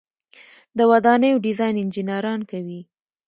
د ودانیو ډیزاین انجنیران کوي